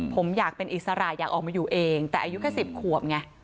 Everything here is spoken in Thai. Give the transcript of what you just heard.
ผมอยากเป็นอิสระอยากออกมาอยู่เองแต่อายุแค่๑๐ขวบไง